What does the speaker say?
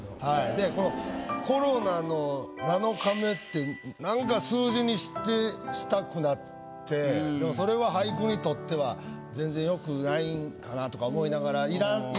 でこのコロナの７日目ってなんかでもそれは俳句にとっては全然良くないんかなとか思いながら。